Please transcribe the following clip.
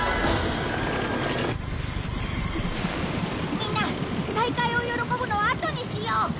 みんな再会を喜ぶのはあとにしよう。